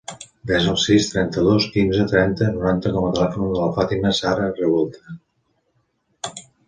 Desa el sis, trenta-dos, quinze, trenta, noranta com a telèfon de la Fàtima zahra Revuelta.